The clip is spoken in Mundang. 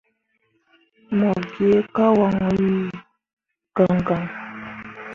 Mo gi ka wanwi gaŋgaŋ.